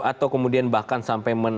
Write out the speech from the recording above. atau kemudian bahkan sampai